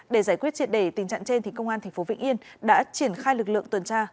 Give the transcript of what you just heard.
để giải quyết triệt đề tình trạng trên công an tp vĩnh yên đã triển khai lực lượng tuần tra